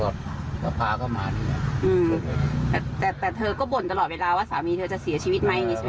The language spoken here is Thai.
แต่เธอก็บ่นตลอดเวลาว่าสามีเธอจะเสียชีวิตไหม